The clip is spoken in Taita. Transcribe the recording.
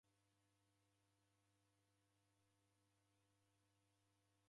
Jisha mwana